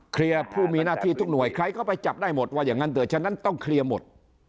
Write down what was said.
ผู้มีหน้าที่ทุกหน่วยใครก็ไปจับได้หมดว่าอย่างนั้นเถอะฉะนั้นต้องเคลียร์หมด